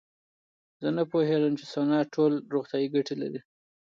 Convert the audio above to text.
زه نه پوهېږم چې سونا ټول روغتیایي ګټې لري.